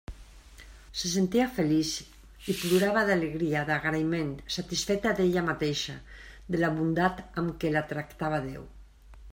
Se sentia feliç i plorava d'alegria, d'agraïment, satisfeta d'ella mateixa, de la bondat amb què la tractava Déu.